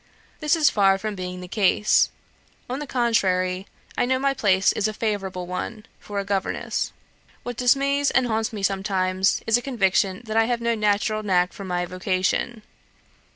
This is far from being the case; on the contrary, I know my place is a favourable one, for a governess. What dismays and haunts me sometimes, is a conviction that I have no natural knack for my vocation.